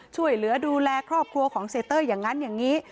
ช่วยเหลือดูแลครอบครัวของเสียเต้ยอย่างนั้นอย่างนี้